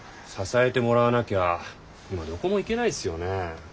支えてもらわなきゃ今どこも行けないっすよね？